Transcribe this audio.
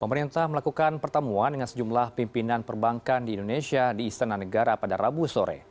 pemerintah melakukan pertemuan dengan sejumlah pimpinan perbankan di indonesia di istana negara pada rabu sore